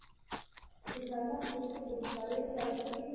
د چارمغز پوستکي د بخارۍ لپاره ښه دي؟